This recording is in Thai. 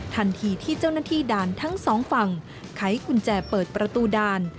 ทันทีที่เจ้าหน้าที่ด่านทั้งสองฝั่งไขกุญแจเปิดประตูด่าน